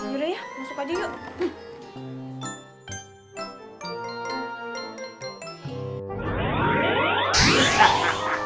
yaudah ya masuk aja yuk